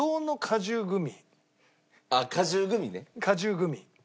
果汁グミ。